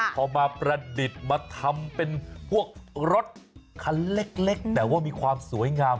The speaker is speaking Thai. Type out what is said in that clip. พอมาประดิษฐ์มาทำเป็นพวกรถคันเล็กแต่ว่ามีความสวยงาม